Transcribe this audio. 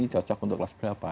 cocok untuk kelas berapa